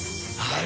ああ。